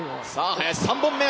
林、３本目！